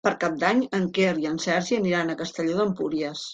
Per Cap d'Any en Quer i en Sergi aniran a Castelló d'Empúries.